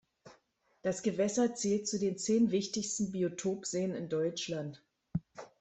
Das Gewässer zählt zu den zehn wichtigsten Biotop-Seen in Deutschland.